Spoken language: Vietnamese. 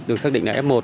được xác định là f một